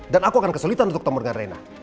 dan aku akan kesulitan untuk ketemu dengan rena